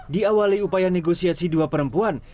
diawali upaya negosiasi dua perempuan